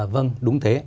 vâng đúng thế